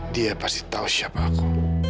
dia pasti tahu siapa aku